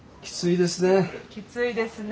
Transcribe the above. きついですね。